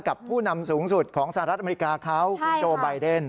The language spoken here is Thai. ผู้นำสูงสุดของสหรัฐอเมริกาเขาคุณโจไบเดน